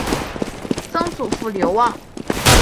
曾祖父刘旺。